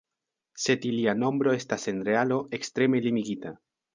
Sed ilia nombro estas en realo ekstreme limigita.